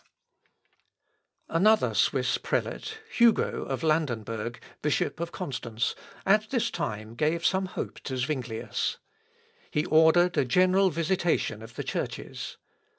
] Another Swiss prelate, Hugo of Landenberg, bishop of Constance, at this time gave some hopes to Zuinglius. He ordered a general visitation of the churches.